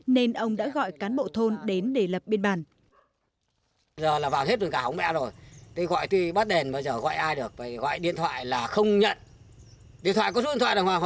nên ông đã gọi cán bộ thôn đến để lập biên bản